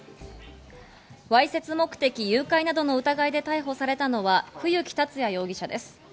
わいせつ目的誘拐などの疑いで逮捕されたのは冬木達也容疑者です。